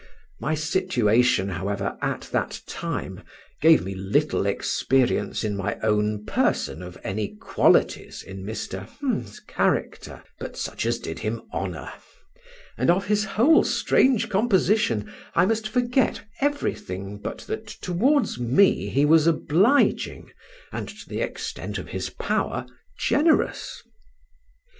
My situation, however, at that time gave me little experience in my own person of any qualities in Mr. ——'s character but such as did him honour; and of his whole strange composition I must forget everything but that towards me he was obliging, and to the extent of his power, generous.